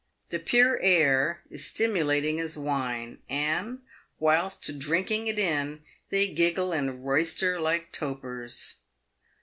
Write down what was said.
The pure air is stimulating as wine, and, whilst drinking it in, they giggle and royster like topers.